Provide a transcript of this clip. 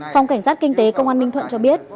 phòng cảnh sát kinh tế công an ninh thuận cho biết